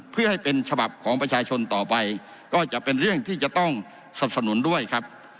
เพื่อให้เป็นฉบับของประชาชนต่อไปก็จะเป็นเรื่องที่จะต้องสับสนุนด้วยครับ